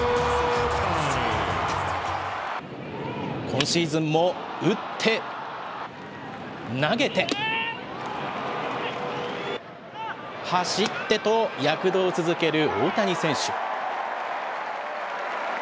今シーズンも打って、投げて、走ってと、躍動を続ける大谷選手。